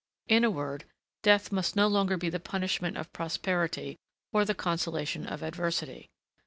In a word, death must no longer be the punishment of prosperity or the consolation of adversity.